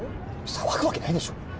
騒ぐわけないでしょ！